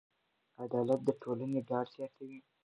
عدالت د ټولنې ډاډ زیاتوي.